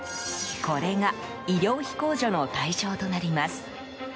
これが医療費控除の対象となります。